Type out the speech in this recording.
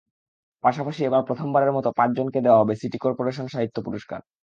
পাশাপাশি এবার প্রথমবারের মতো পাঁচজনকে দেওয়া হবে সিটি করপোরেশন সাহিত্য পুরস্কার।